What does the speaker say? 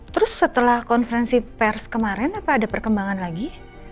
terus setelah konferensi pers kemarin apa ada perkembangan lagi